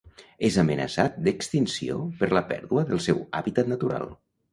És amenaçat d'extinció per la pèrdua del seu hàbitat natural.